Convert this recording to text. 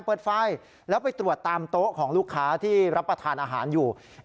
เปิดไฟแล้วไปตรวจตามโต๊ะของลูกค้าที่รับประทานอาหารอยู่